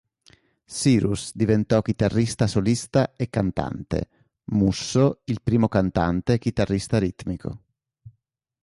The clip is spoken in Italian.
Cyrus diventò chitarrista solista e cantante; Musso il primo cantante e chitarrista ritmico.